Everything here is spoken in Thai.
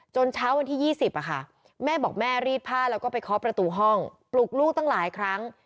เช้าวันที่๒๐แม่บอกแม่รีดผ้าแล้วก็ไปเคาะประตูห้องปลุกลูกตั้งหลายครั้ง